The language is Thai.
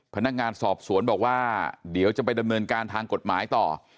พนักงานสอบสวนบอกว่าเดี๋ยวจะไปดำเนินการทางกฎหมายต่อ